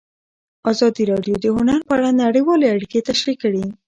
ازادي راډیو د هنر په اړه نړیوالې اړیکې تشریح کړي.